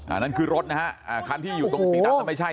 อ่านั่นคือรถนะฮะอ่าคันที่อยู่ตรงสี่ตั้งแต่ไม่ใช่